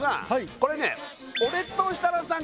これね俺と設楽さん